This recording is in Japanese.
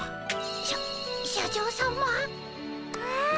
しゃ社長さま。わ。